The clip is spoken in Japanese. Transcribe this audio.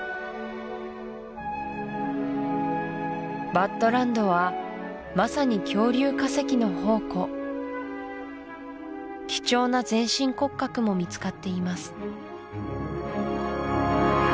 バッドランドはまさに恐竜化石の宝庫貴重な全身骨格も見つかっています